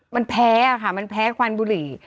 มันแพ้ค่ะมันแพ้ควันบุหรี่